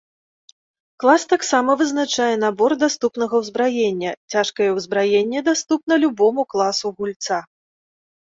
Клас таксама вызначае набор даступнага ўзбраення, цяжкае ўзбраенне даступна любому класу гульца.